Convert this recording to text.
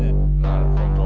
なるほど。